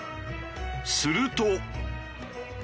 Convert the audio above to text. すると。